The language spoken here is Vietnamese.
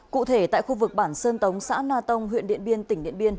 cụ thể tại khu vực bản sơn tống xã na tông huyện điện biên tỉnh điện biên